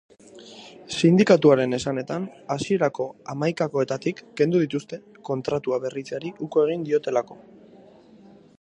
Sindikatuaren esanetan, hasierako hamaikakoetatik kendu dituzte kontratua berritzeari uko egin diotelako.